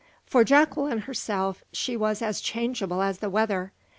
For Jacqueline herself, she was as changeable as the weather.